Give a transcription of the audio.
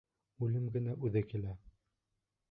Үлем генә үҙе килә.